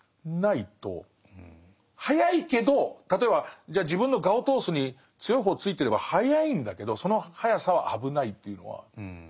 速いけど例えばじゃあ自分の我を通すのに強い方ついてれば速いんだけどその速さは危ないっていうのはすごく思うかしら。